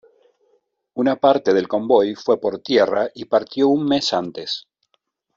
Una parte del convoy fue por tierra y partió un mes antes.